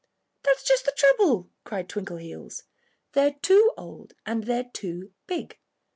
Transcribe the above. "That's just the trouble!" cried Twinkleheels. "They're too old and they're too big.